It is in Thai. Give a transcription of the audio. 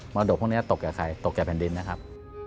รดกพวกนี้ตกแก่ใครตกแก่แผ่นดินนะครับ